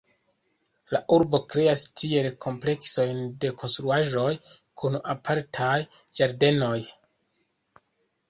La urbo kreas tiel kompleksojn de konstruaĵoj kun apartaj ĝardenoj.